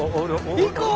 行こうよ！